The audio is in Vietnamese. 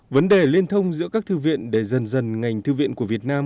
vấn đề liên thông giữa các thư viện để dần dần ngành thư viện của việt nam